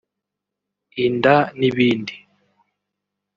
inda n’ibindi